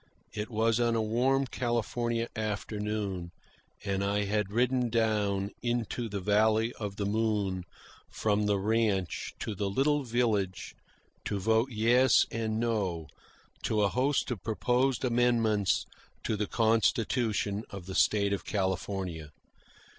It was on a warm California afternoon, and I had ridden down into the Valley of the Moon from the ranch to the little village to vote Yes and No to a host of proposed amendments to the Constitution of the State of California.